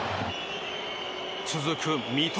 続く三笘。